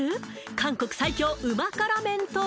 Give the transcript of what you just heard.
韓国最強うま辛麺とは？